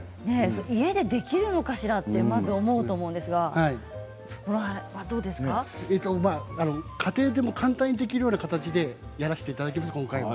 家でできるのかしらと家庭でも簡単にできるような形でやらせていただきます、今回は。